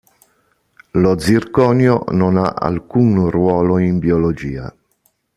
Lo zirconio non ha alcun ruolo in biologia.